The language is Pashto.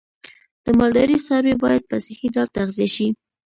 د مالدارۍ څاروی باید په صحی ډول تغذیه شي.